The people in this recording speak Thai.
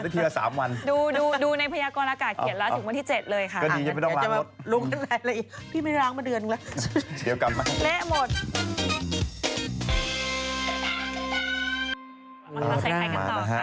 ไม่ได้มาหลายวันต้องกินทุกอย่าง